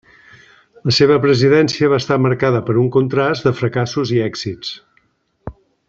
La seva presidència va estar marcada per un contrast de fracassos i èxits.